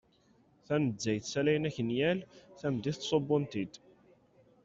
Tanezzayt ssalayen akenyal; tameddit ttsubbun-t-id.